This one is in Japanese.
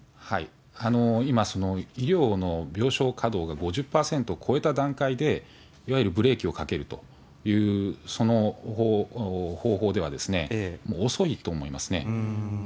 今、医療の病床稼働が５０％を超えた段階で、いわゆるブレーキをかけるという、その方法では、もう遅いと思いますね。